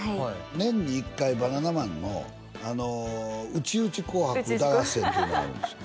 年に一回バナナマンの「内々紅白歌合戦」っていうのがあるんですよ